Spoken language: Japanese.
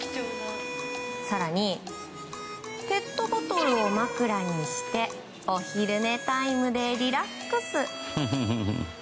更に、ペットボトルを枕にしてお昼寝タイムでリラックス。